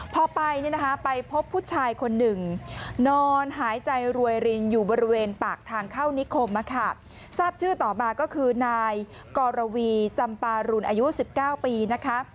พอไปเนี่ยนะคะไปพบผู้ชายคนหนึ่งนอนหายใจรวยรินอยู่บริเวณปากทางเข้านิคมทราบชื่อต่อมาก็คือนายกรวีจำปารุณอายุ๑๙ปีนะคะ